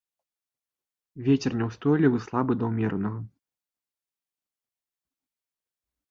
Вецер няўстойлівы слабы да ўмеранага.